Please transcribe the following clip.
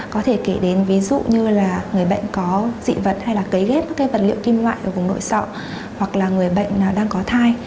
có thể kể đến ví dụ như là người bệnh có dị vật hay là cấy ghép các cái vật liệu kim loại ở vùng nội sọ hoặc là người bệnh nào đang có thai